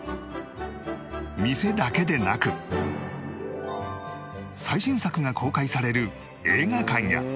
店だけでなく最新作が公開される映画館や